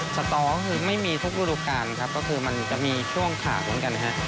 สตอก็คือไม่มีทุกฤดูการครับก็คือมันจะมีช่วงขาเหมือนกันฮะ